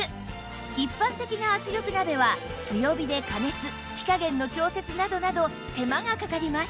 一般的な圧力鍋は強火で加熱火加減の調節などなど手間がかかります